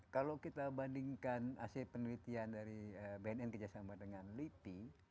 kalau kita bandingkan hasil penelitian dari bnn kerjasama dengan lipi